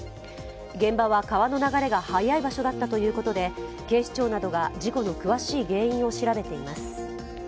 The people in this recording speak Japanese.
現場は川の流れが早い場所だったということで警視庁などが、事故の詳しい原因などを調べています。